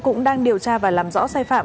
cũng đang điều tra và làm rõ sai phạm